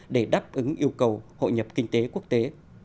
để đáp ứng yêu cầu hội nhập kinh tế quốc tế